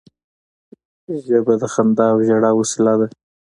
ژبه د خندا او ژړا وسیله ده